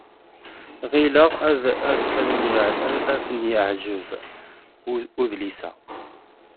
Ɣileɣ ad ken-yeɛjeb udlis-a.